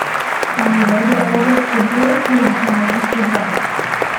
However the order of the draw still determines the ground.